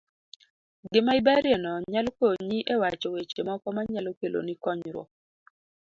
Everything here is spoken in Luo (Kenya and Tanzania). Gima iberie no nyalo konyi e wacho weche moko manyalo keloni konyruok.